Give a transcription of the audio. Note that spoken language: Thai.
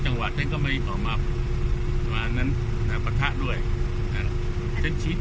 จังหวัดท่านก็ไม่ออกมาอ่าอันนั้นอ่าประทะด้วยอ่าฉะนั้นชีวิต